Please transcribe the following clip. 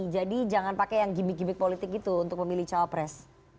jadi jangan pakai yang gimmick gimmick politik gitu untuk memilih cawapres